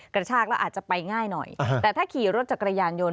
กระชากแล้วอาจจะไปง่ายหน่อยแต่ถ้าขี่รถจักรยานยนต